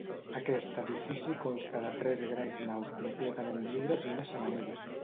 Aquest edifici consta de tres grans naus completament lliures i una xemeneia.